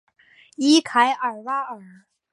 伊凯尔瓦尔。